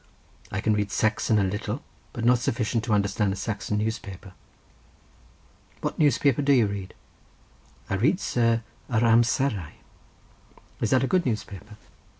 I can read Saxon a little, but not sufficient to understand a Saxon newspaper." "What newspaper do you read?" "I read, sir, Yr Amserau." "Is that a good newspaper?"